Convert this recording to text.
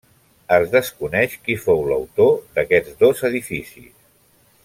Es desconeix qui fou l'autor d'aquests dos edificis.